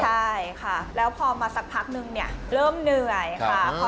ใช่ค่ะแล้วพอมาสักพักนึงเนี่ยเริ่มเหนื่อยค่ะ